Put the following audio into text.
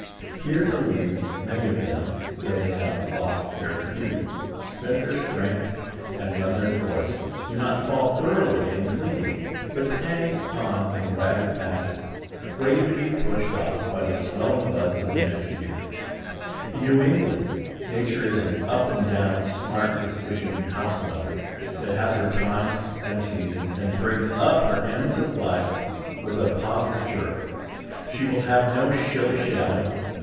Here the leaves, many of them, though they have lost their beauty, spent their strength, and run their course, do not fall thoroughly and cleanly, but hang on in ragged patches, waiting to be pushed off by the swelling buds of next year. In New England, Nature is an up and down, smart, decisive house mother, that has her times and seasons, and brings up her ends of life with a positive jerk. She will have no shilly shally.